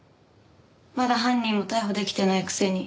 まだ犯人も逮捕できてないくせに。